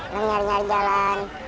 nanti nyari nyari jalan